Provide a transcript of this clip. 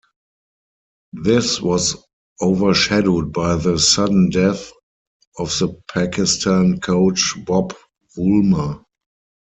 This was overshadowed by the sudden death of the Pakistan Coach Bob Woolmer.